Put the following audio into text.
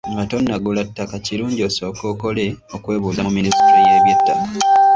Nga tonnagula ttaka kirungi osooke okole okwebuuza mu minisitule y’eby'ettaka.